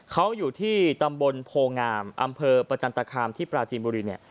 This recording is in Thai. เขาอยู่ที่ตำบลโพงามอำเภอประจันตคามที่ปราจีนบุรีเนี่ย